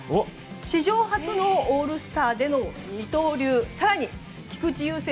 史上初のオールスターでの二刀流更に菊池雄星